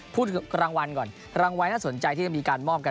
พูดรางวัลก่อนรางวัลน่าสนใจที่จะมีการมอบกัน